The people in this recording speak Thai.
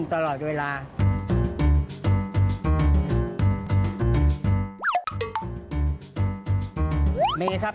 คือนายอัศพรบวรวาชัยครับ